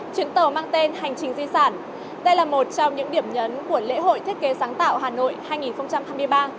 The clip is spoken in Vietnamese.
chuyến tàu mang tên hành trình di sản đây là một trong những điểm nhấn của lễ hội thiết kế sáng tạo hà nội hai nghìn hai mươi ba